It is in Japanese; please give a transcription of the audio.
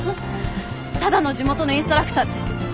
ただの地元のインストラクターです。